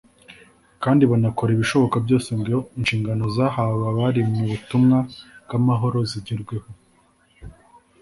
kandi banakora ibishoboka byose ngo inshingano zahawe abari mu butumwa bw’amahoro zigerweho